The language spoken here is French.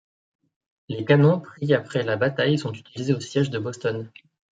Les canons pris après la bataille sont utilisés au siège de Boston.